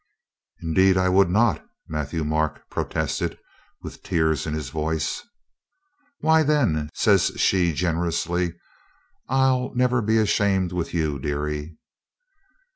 "Indeed, I would not," Matthieu Marc protested with tears in his voice. "Why, then," says she generously, "I'll never be ashamed with you, dearie."